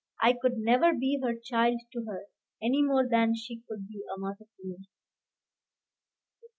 I could never be her child to her, any more than she could be a mother to me.